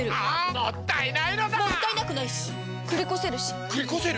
もったいなくないしくりこせるしくりこせる⁉